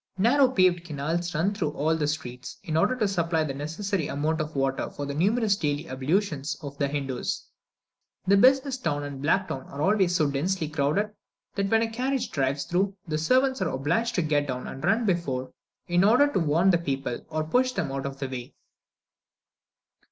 Narrow paved canals run through all the streets, in order to supply the necessary amount of water for the numerous daily ablutions of the Hindoos. The Business town and Black town are always so densely crowded, that when a carriage drives through, the servants are obliged to get down and run on before, in order to warn the people, or push them out of the way.